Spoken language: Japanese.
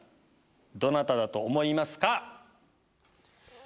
どなただと思いますか？